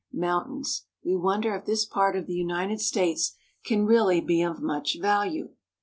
mountains, we wonder if this part of the United States can really be of much value.